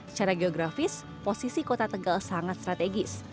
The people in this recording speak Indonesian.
secara geografis posisi kota tegal sangat strategis